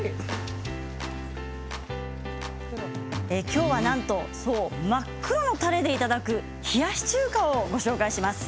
きょうは、真っ黒のたれでいただく、冷やし中華をご紹介します。